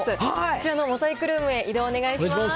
こちらのモザイクルームに移動をお願いします。